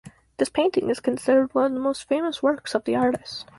This painting is considered one of the most famous works of the artist.